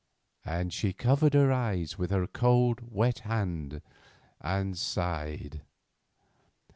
and she covered her eyes with her cold, wet hand and sighed.